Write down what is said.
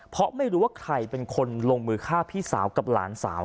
เพราะไม่รู้ว่าใครเป็นคนลงมือฆ่าพี่สาวกับหลานสาว